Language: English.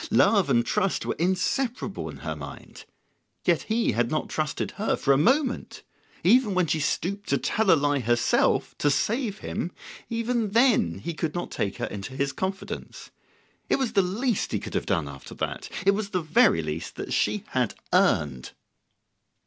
Love and trust were inseparable in her mind. Yet he had not trusted her for a moment; even when she stooped to tell a lie herself, to save him, even then he could not take her into his confidence. It was the least he could have done after that; it was the very least that she had earned.